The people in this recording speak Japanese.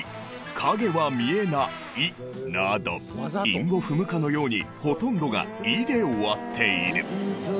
「影は見えない」など韻を踏むかのようにほとんどが「い」で終わっている。